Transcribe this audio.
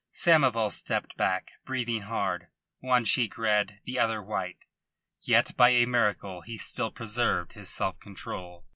Samoval stepped back, breathing hard, one cheek red, the other white. Yet by a miracle he still preserved his self control.